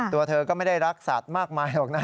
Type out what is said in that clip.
ตัวเธอก็ไม่ได้รักสัตว์มากมายหรอกนะ